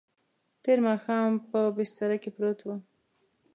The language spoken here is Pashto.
تېر ماښام په بستره کې پروت وم.